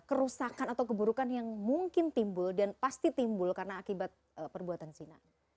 kerusakan atau keburukan yang mungkin timbul dan pasti timbul karena akibat perbuatan zina